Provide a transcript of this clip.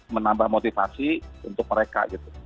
menambah motivasi untuk mereka